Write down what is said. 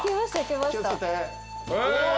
気を付けて。